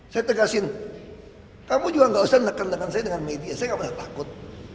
saya tegasin kamu juga gak usah neken neken saya dengan media saya gak pernah takut